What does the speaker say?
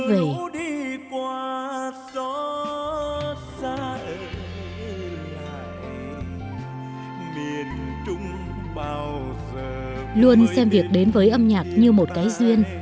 thì có nhiều đêm là cứ nghe